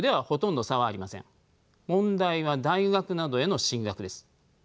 問題は大学などへの進学です。